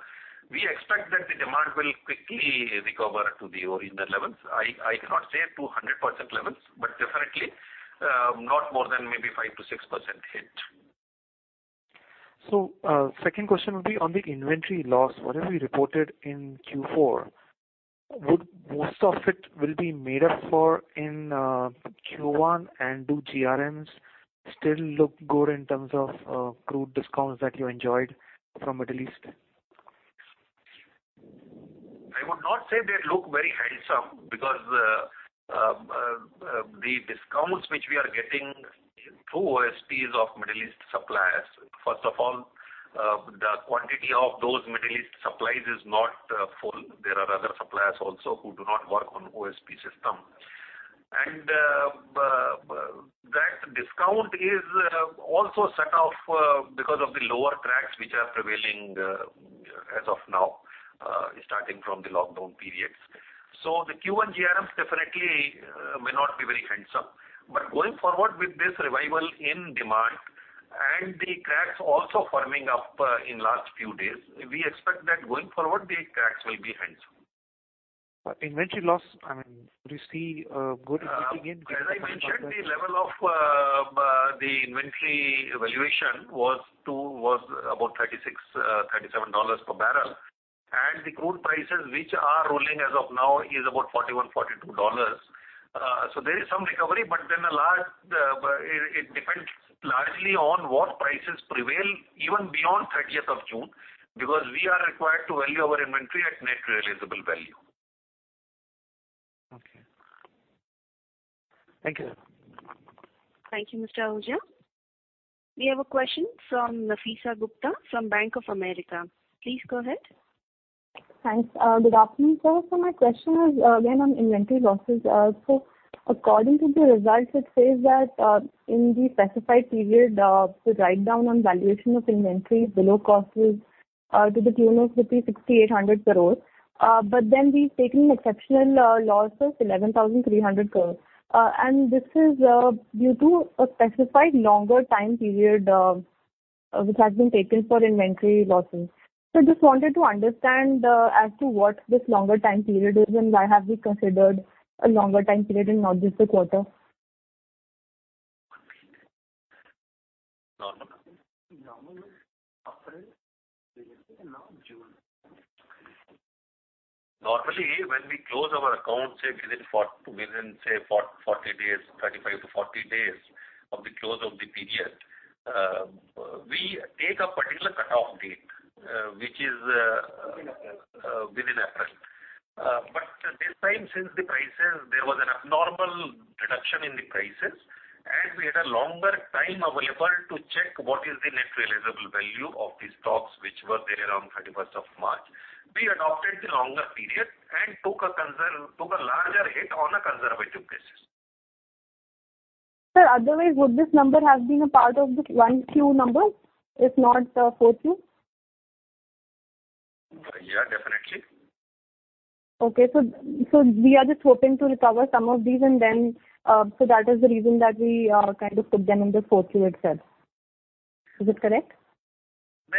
Speaker 4: we expect that the demand will quickly recover to the original levels. I cannot say to 100% levels, but definitely not more than maybe 5%-6% hit.
Speaker 11: Second question would be on the inventory loss. Whatever you reported in Q4, would most of it will be made up for in Q1, and do GRMs still look good in terms of crude discounts that you enjoyed from Middle East?
Speaker 4: I would not say they look very handsome, because the discounts which we are getting through OSPs of Middle East suppliers. First of all, the quantity of those Middle East supplies is not full. There are other suppliers also who do not work on OSP system. That discount is also set off because of the lower cracks which are prevailing as of now, starting from the lockdown periods. The Q1 GRMs definitely may not be very handsome. Going forward with this revival in demand and the cracks also firming up in last few days, we expect that going forward, the cracks will be handsome.
Speaker 11: Inventory loss, do you see good again?
Speaker 4: As I mentioned, the level of the inventory valuation was about $36, $37 per barrel. The crude prices which are rolling as of now is about $41, $42. There is some recovery, but it depends largely on what prices prevail even beyond 30th of June, because we are required to value our inventory at net realizable value.
Speaker 11: Okay. Thank you.
Speaker 1: Thank you, Mr. Ahuja. We have a question from Nafeesa Gupta from Bank of America. Please go ahead.
Speaker 12: Thanks. Good afternoon, sir. My question is again on inventory losses. According to the results, it says that in the specified period, the write-down on valuation of inventories below cost was to the tune of rupees 6,800 crores. We've taken exceptional losses, 11,300 crores. This is due to a specified longer time period which has been taken for inventory losses. Just wanted to understand as to what this longer time period is and why have we considered a longer time period and not just the quarter?
Speaker 4: Normally April period and not June. Normally, when we close our accounts, say within 35-40 days of the close of the period, we take a particular cutoff date which is within April. This time, since there was an abnormal reduction in the prices, and we had a longer time available to check what is the net realizable value of the stocks which were there around 31st of March, we adopted the longer period and took a larger hit on a conservative basis.
Speaker 12: Sir, otherwise, would this number have been a part of the 1Q numbers, if not 4Q?
Speaker 4: Yeah, definitely.
Speaker 12: Okay. We are just hoping to recover some of these, and then so that is the reason that we kind of put them in the 4Q itself. Is it correct?
Speaker 4: No,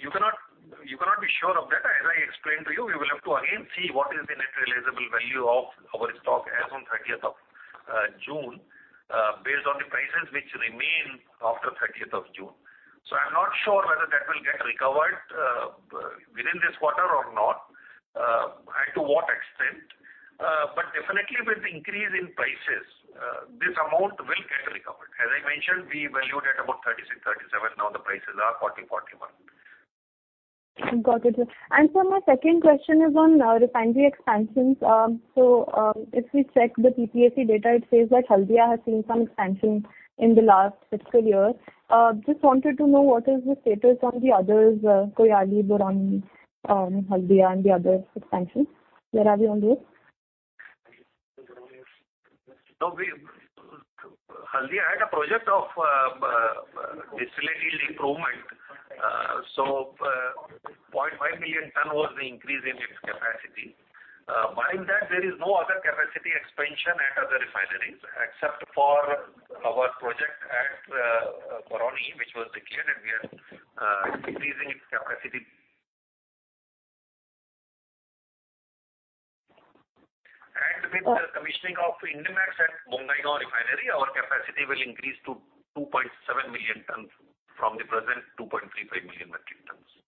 Speaker 4: you cannot be sure of that. As I explained to you, we will have to again see what is the net realizable value of our stock as on 30th of June, based on the prices which remain after 30th of June. I'm not sure whether that will get recovered within this quarter or not, and to what extent. Definitely with the increase in prices, this amount will get recovered. As I mentioned, we valued at about 36, 37. Now the prices are 40, 41.
Speaker 12: Got it, sir. Sir, my second question is on refinery expansions. If we check the PPAC data, it says that Haldia has seen some expansion in the last fiscal year. Just wanted to know what is the status on the others, Koyali, Barauni, Haldia, and the other expansions. Where are we on this?
Speaker 4: Haldia had a project of distillate yield improvement. 0.5 million ton was the increase in its capacity. Barring that, there is no other capacity expansion at other refineries, except for our project at Barauni, which was began, and we are increasing its capacity. With the commissioning of INDMAX at Barauni refinery, our capacity will increase to 2.7 million tons from the present 2.35 million metric tons.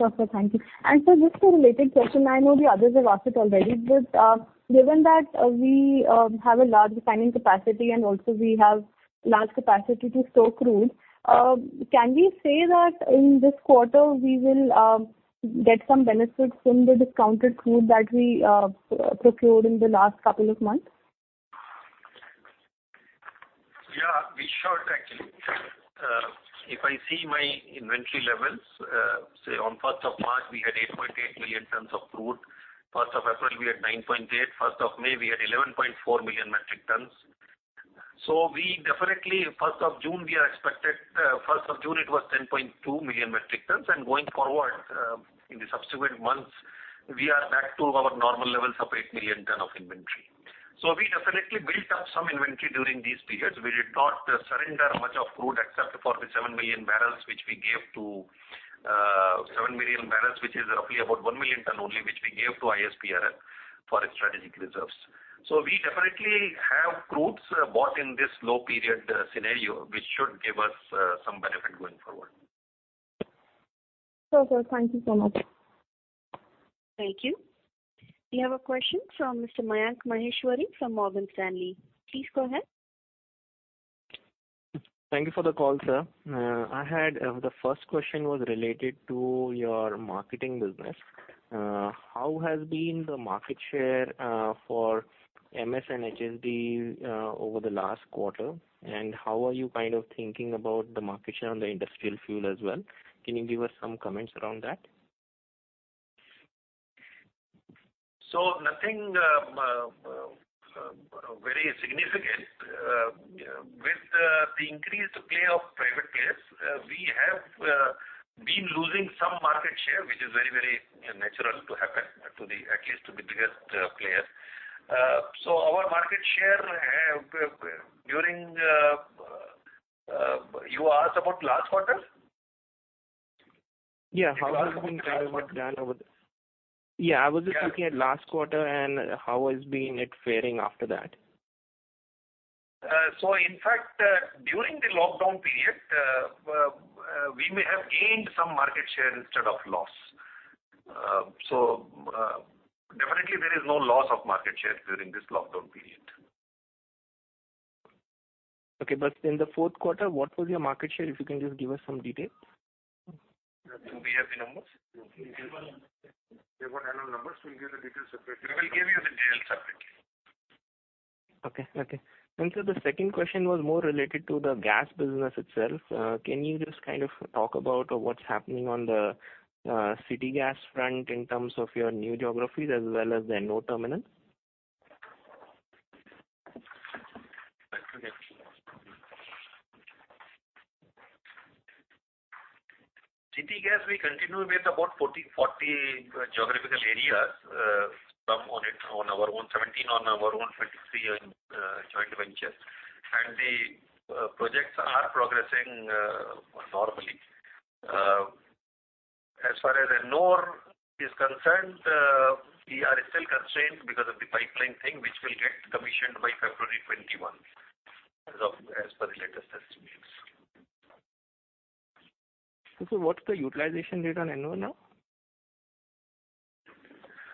Speaker 12: Okay, sir. Thank you. Sir, just a related question. I know the others have asked it already, but given that we have a large refining capacity and also we have large capacity to stock crude, can we say that in this quarter, we will get some benefits from the discounted crude that we procured in the last couple of months?
Speaker 4: Yeah, we should actually. If I see my inventory levels, say on 1st of March, we had 8.8 million tons of crude. 1st of April, we had 9.8 million tons. 1st of May, we had 11.4 million metric tons. We definitely, 1st of June it was 10.2 million metric tons, and going forward in the subsequent months, we are back to our normal levels of 8 million ton of inventory. We definitely built up some inventory during these periods. We did not surrender much of crude except for the 7 million barrels, which is roughly about 1 million ton only, which we gave to ISPRL for its strategic reserves. We definitely have crudes bought in this low period scenario, which should give us some benefit going forward.
Speaker 12: Okay, sir. Thank you so much.
Speaker 1: Thank you. We have a question from Mr. Mayank Maheshwari from Morgan Stanley. Please go ahead.
Speaker 13: Thank you for the call, sir. The first question was related to your marketing business. How has been the market share for MS and HSD over the last quarter, and how are you kind of thinking about the market share on the industrial fuel as well? Can you give us some comments around that?
Speaker 4: Nothing very significant. With the increased play of private players, we have been losing some market share, which is very natural to happen at least to the biggest player. You asked about last quarter?
Speaker 13: Yeah. I was just looking at last quarter and how has been it faring after that.
Speaker 4: In fact, during the lockdown period, we may have gained some market share instead of loss. Definitely there is no loss of market share during this lockdown period.
Speaker 13: Okay. In the fourth quarter, what was your market share, if you can just give us some detail?
Speaker 4: The BFP numbers?
Speaker 9: We have our annual numbers. We'll give the details separately.
Speaker 4: We will give you the details separately.
Speaker 13: Okay. Sir, the second question was more related to the gas business itself. Can you just kind of talk about what's happening on the city gas front in terms of your new geographies as well as Ennore terminal?
Speaker 4: City gas, we continue with about 14 geographical areas, 17 on our own, 53 in joint venture. The projects are progressing normally. As far as Ennore is concerned, we are still constrained because of the pipeline thing, which will get commissioned by February 2021, as per the latest estimates.
Speaker 13: Okay. What's the utilization rate on Ennore now?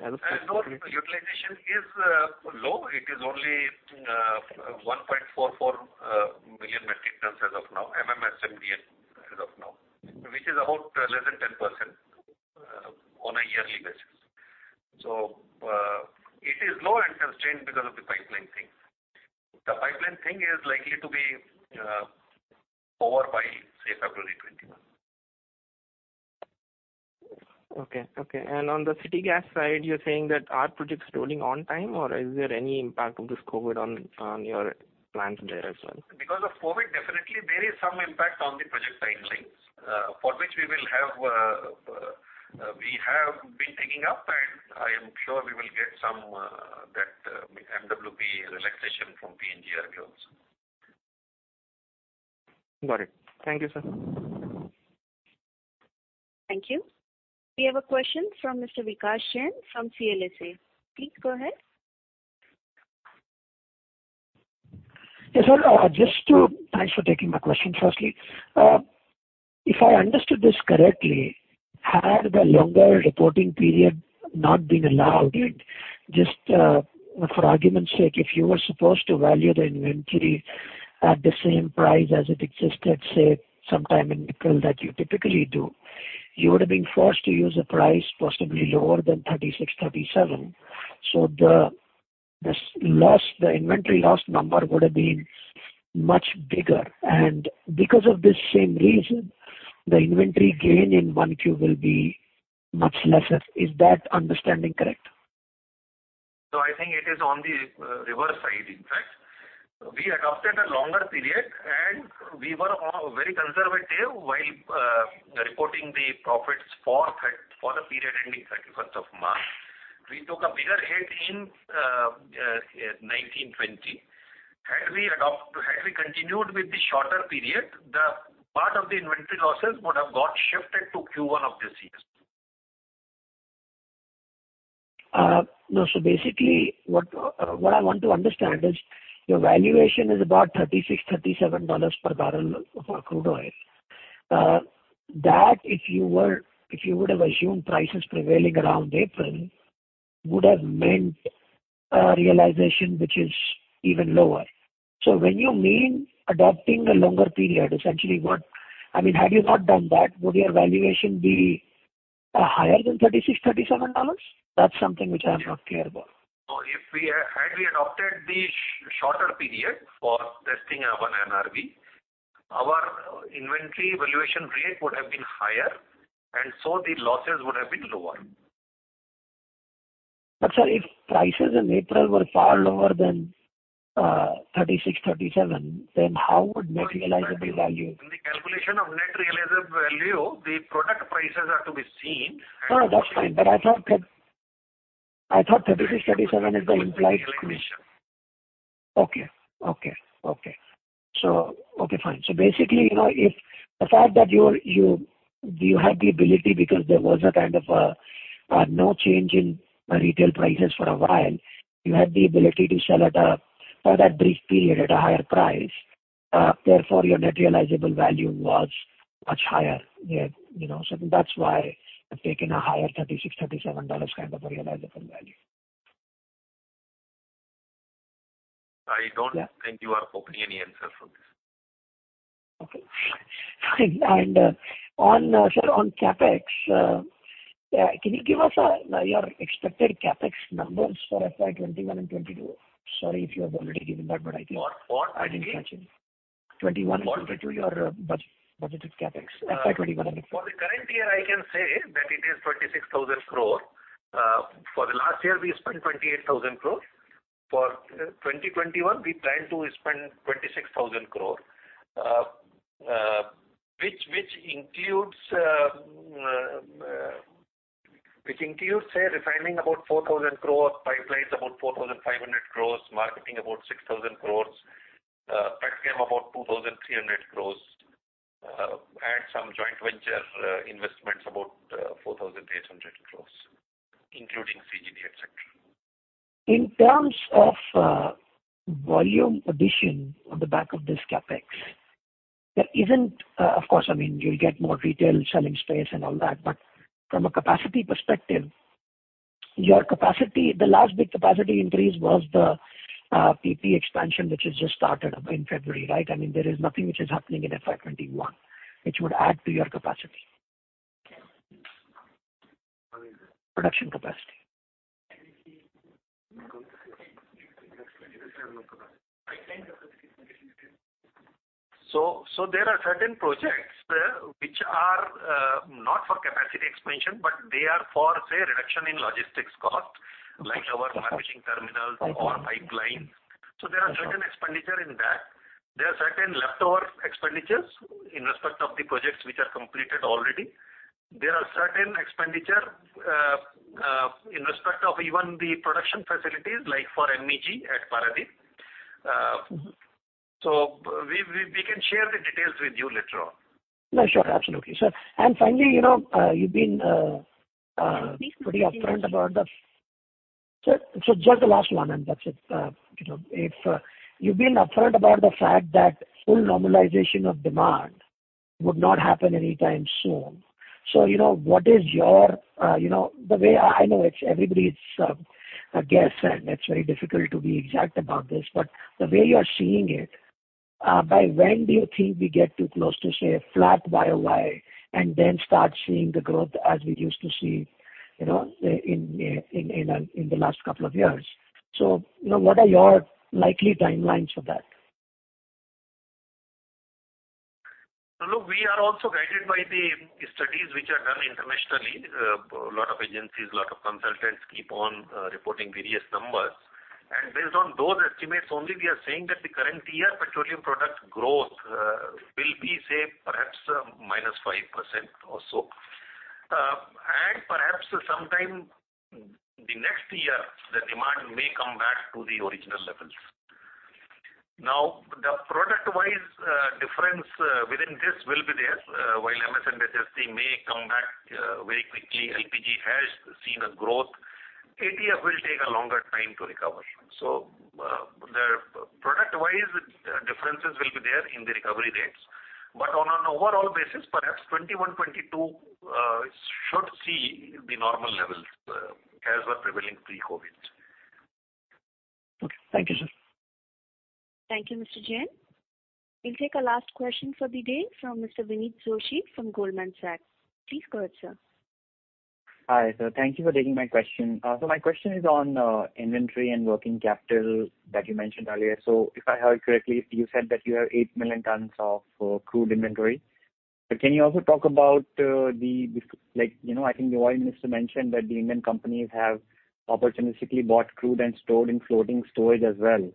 Speaker 4: Ennore utilization is low. It is only 1.44 million metric tons as of now, MMSCMD as of now, which is about less than 10% on a yearly basis. It is low and constrained because of the pipeline thing. The pipeline thing is likely to be over by, say, February 2021.
Speaker 13: Okay. On the city gas side, you're saying that are projects rolling on time, or is there any impact of this COVID on your plans there as well?
Speaker 4: Because of COVID, definitely there is some impact on the project timelines, for which we have been taking up, and I am sure we will get some from PNGRB here also.
Speaker 13: Got it. Thank you, sir.
Speaker 1: Thank you. We have a question from Mr. Vikash Jain from CLSA. Please go ahead.
Speaker 14: Yes, sir. Thanks for taking my question firstly. If I understood this correctly, had the longer reporting period not been allowed, just for argument's sake, if you were supposed to value the inventory at the same price as it existed, say, sometime in April, that you typically do, you would have been forced to use a price possibly lower than $36, $37. The inventory loss number would have been much bigger. Because of this same reason, the inventory gain in 1Q will be much lesser. Is that understanding correct?
Speaker 4: I think it is on the reverse side, in fact. We adopted a longer period, and we were very conservative while reporting the profits for the period ending 31st of March. We took a bigger hit in 2019/2020. Had we continued with the shorter period, the part of the inventory losses would have got shifted to Q1 of this year.
Speaker 14: No. Basically, what I want to understand is your valuation is about $36, $37 per barrel for crude oil. That, if you would have assumed prices prevailing around April, would have meant a realization which is even lower. When you mean adopting a longer period, had you not done that, would your valuation be higher than $36, $37? That's something which I'm not clear about.
Speaker 4: Had we adopted the shorter period for testing our NRV, our inventory valuation rate would have been higher, and so the losses would have been lower.
Speaker 14: Sir, if prices in April were far lower than $36, $37, then how would net realizable value?
Speaker 4: In the calculation of net realizable value, the product prices are to be seen.
Speaker 14: No, that's fine. I thought $36, $37 is the implied valuation. Okay, fine. Basically, the fact that you had the ability because there was a kind of no change in retail prices for a while, you had the ability to sell for that brief period at a higher price. Therefore, your net realizable value was much higher. That's why you've taken a higher $36, $37 kind of a realizable value.
Speaker 4: I don't think you are hoping any answer from this.
Speaker 14: Okay, fine. Sir, on CapEx, can you give us your expected CapEx numbers for FY 2021 and FY 2022? Sorry if you have already given that, but I think I didn't catch it.
Speaker 4: For what again?
Speaker 14: FY 2021 and FY 2022, your budgeted CapEx. FY 2021 and FY 2022.
Speaker 4: For the current year, I can say that it is 26,000 crore. For the last year, we spent 28,000 crore. For FY2021, we plan to spend INR 26,000 crore, which includes, say, refining about 4,000 crore, pipelines about 4,500 crores, marketing about 6,000 crores, petchem about 2,300 crores, and some joint venture investments about 4,800 crores, including CGD, et cetera.
Speaker 14: In terms of volume addition on the back of this CapEx, of course, you'll get more retail selling space and all that, but from a capacity perspective, the last big capacity increase was the PP expansion, which has just started in February, right? There is nothing which is happening in FY 2021 which would add to your capacity. Production capacity.
Speaker 4: There are certain projects which are not for capacity expansion, but they are for, say, reduction in logistics cost, like our marketing terminals or pipelines. There are certain expenditure in that. There are certain leftover expenditures in respect of the projects which are completed already. There are certain expenditure in respect of even the production facilities, like for MEG at Paradip. We can share the details with you later on.
Speaker 14: No, sure. Absolutely. Sir, finally, you've been pretty upfront. Sir, just the last one, and that's it. You've been upfront about the fact that full normalization of demand would not happen anytime soon. I know it's everybody's guess, and it's very difficult to be exact about this. The way you're seeing it, by when do you think we get to close to, say, flat Y-o-Y and then start seeing the growth as we used to see in the last couple of years? What are your likely timelines for that?
Speaker 4: Look, we are also guided by the studies which are done internationally. A lot of agencies, a lot of consultants keep on reporting various numbers. Based on those estimates only, we are saying that the current year petroleum product growth will be, say, perhaps, -5% or so. Sometime the next year, the demand may come back to the original levels. The product wise difference within this will be there. While MS and HSD may come back very quickly, LPG has seen a growth. ATF will take a longer time to recover. The product wise differences will be there in the recovery rates. On an overall basis, perhaps 2021, 2022, should see the normal levels as were prevailing pre-COVID-19.
Speaker 14: Okay. Thank you, sir.
Speaker 1: Thank you, Mr. Jain. We'll take our last question for the day from Mr. Vineet Joshi from Goldman Sachs. Please go ahead, sir.
Speaker 15: Hi, sir. Thank you for taking my question. My question is on inventory and working capital that you mentioned earlier. If I heard correctly, you said that you have 8 million tons of crude inventory. Can you also talk about, the oil minister mentioned that the Indian companies have opportunistically bought crude and stored in floating storage as well.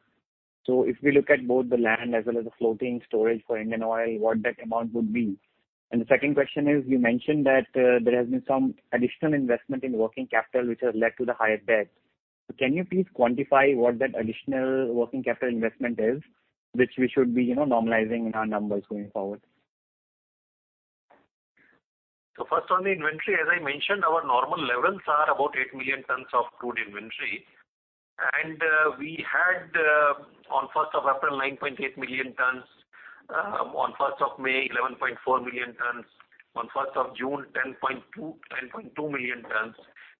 Speaker 15: If we look at both the land as well as the floating storage for Indian Oil, what that amount would be? The second question is, you mentioned that there has been some additional investment in working capital, which has led to the higher debt. Can you please quantify what that additional working capital investment is, which we should be normalizing in our numbers going forward?
Speaker 4: First on the inventory, as I mentioned, our normal levels are about 8 million tons of crude inventory. We had, on 1st of April, 9.8 million tons, on 1st of May, 11.4 million tons, on 1st of June, 10.2 million tons,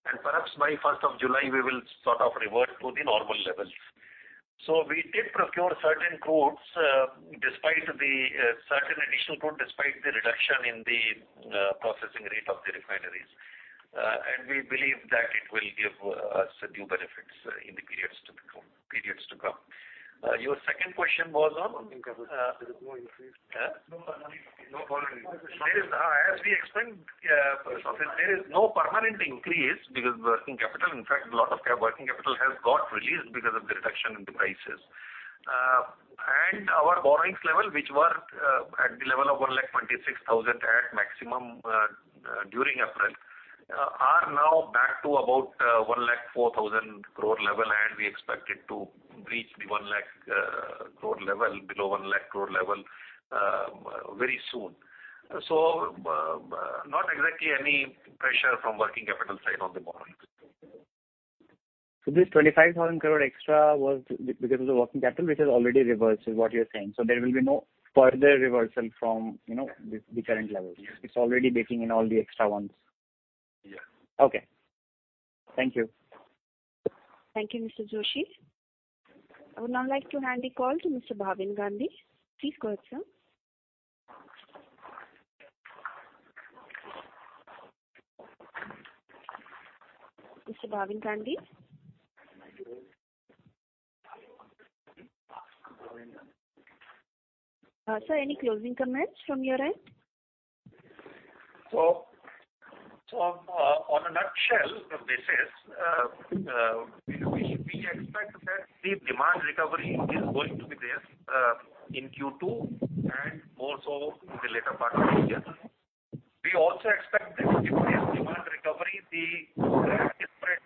Speaker 4: and perhaps by 1st of July, we will sort of revert to the normal levels. We did procure certain additional crude, despite the reduction in the processing rate of the refineries. We believe that it will give us due benefits in the periods to come. Your second question was on? As we explained, there is no permanent increase because working capital, in fact, a lot of working capital has got released because of the reduction in the prices. Our borrowings level, which were at the level of 1,26,000 crore at maximum during April, are now back to about 1,04,000 crore level, and we expect it to breach below 1,00,000 crore level very soon. Not exactly any pressure from working capital side on the borrowing.
Speaker 15: This 25,000 crore extra was because of the working capital, which has already reversed, is what you're saying? There will be no further reversal from the current levels.
Speaker 4: Yes.
Speaker 15: It's already baking in all the extra ones.
Speaker 4: Yeah.
Speaker 15: Okay. Thank you.
Speaker 1: Thank you, Mr. Joshi. I would now like to hand the call to Mr. Bhavin Gandhi. Please go ahead, sir. Mr. Bhavin Gandhi? Sir, any closing comments from your end?
Speaker 4: On a nutshell basis, we expect that the demand recovery is going to be there in Q2, and more so in the later part of the year. We also expect that if there is demand recovery, the spread,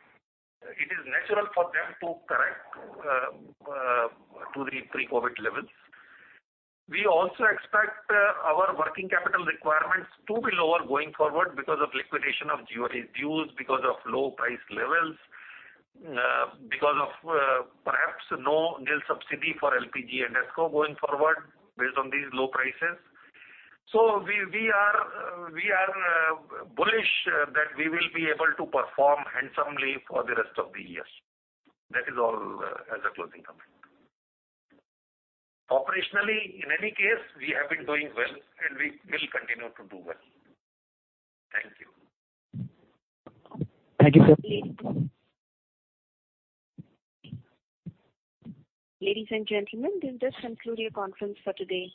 Speaker 4: it is natural for them to correct to the pre-COVID levels. We also expect our working capital requirements to be lower going forward because of liquidation of GoI dues, because of low price levels, because of perhaps nil subsidy for LPG and SKO going forward based on these low prices. We are bullish that we will be able to perform handsomely for the rest of the year. That is all as a closing comment. Operationally, in any case, we have been doing well, and we will continue to do well. Thank you.
Speaker 2: Thank you, sir.
Speaker 1: Ladies and gentlemen, this concludes your conference for today.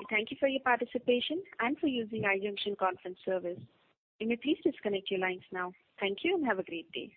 Speaker 1: We thank you for your participation and for using iJunxion Conference Service. You may please disconnect your lines now. Thank you and have a great day.